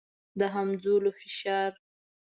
د همځولو فشار.